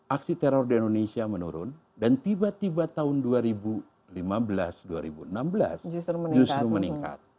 aksi teror di indonesia menurun dan tiba tiba tahun dua ribu lima belas dua ribu enam belas justru meningkat